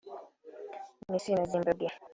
Misiri na Zimbabwe